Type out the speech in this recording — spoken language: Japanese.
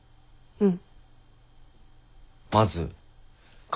うん。